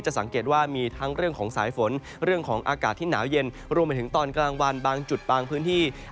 สังเกตว่ามีทั้งเรื่องของสายฝนเรื่องของอากาศที่หนาวเย็นรวมไปถึงตอนกลางวันบางจุดบางพื้นที่